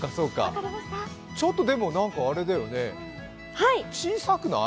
ちょっとでも何かあれだよね、小さくない？